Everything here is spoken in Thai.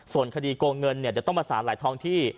ส่วนคดีโกงเงินเดี๋ยวต้องประสานหลายท้องที่